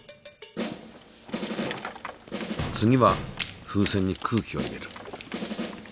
次は風船に空気を入れる。